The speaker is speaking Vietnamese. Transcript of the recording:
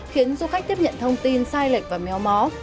khiến du khách tiếp nhận thông tin sai lệch và méo mó